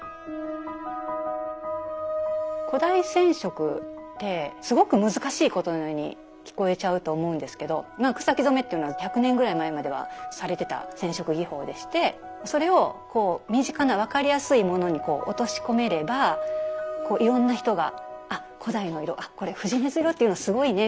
古代染色ってすごく難しいことのように聞こえちゃうと思うんですけどまあ草木染めっていうのは１００年ぐらい前まではされてた染色技法でしてそれを身近な分かりやすいものに落とし込めればいろんな人が「あ古代の色あこれ藤鼠色っていうのすごいね」みたいな